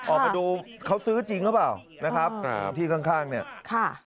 ออกมาดูเขาซื้อจริงหรือเปล่า